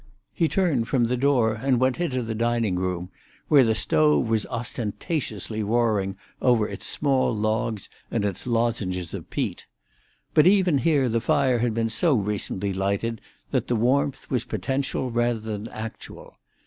He turned from the door and went into the dining room, where the stove was ostentatiously roaring over its small logs and its lozenges of peat, But even here the fire had been so recently lighted that the warmth was potential rather than actual.